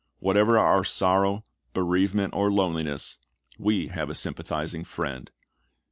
whatever our sorrow, bereavement, or loneliness, we have a sympathizing Friend.